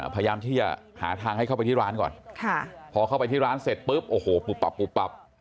พยายามที่จะหาทางให้เข้าไปที่ร้านก่อนพอเข้าไปที่ร้านเสร็จปุ๊บโอ้โหปุ๊บปับปุ๊บปับ